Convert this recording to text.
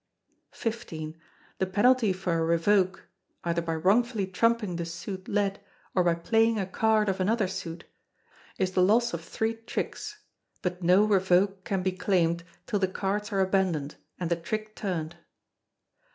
xv. The penalty for a revoke either by wrongfully trumping the suit led, or by playing a card of another suit is the loss of three tricks; but no revoke can be claimed till the cards are abandoned, and the trick turned.